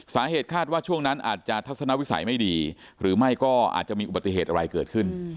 สาเหตุคาดว่าช่วงนั้นอาจจะทัศนวิสัยไม่ดีหรือไม่ก็อาจจะมีอุบัติเหตุอะไรเกิดขึ้น